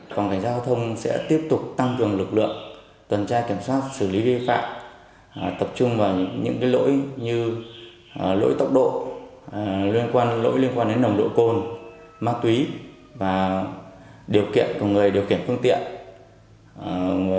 còn cảnh sát giao thông sẽ tiếp tục tăng cường lực lượng tuần tra kiểm soát xử lý vi phạm tập trung vào những lỗi như lỗi tốc độ lỗi liên quan đến nồng độ cồn ma túy và điều kiện của người điều kiện phương tiện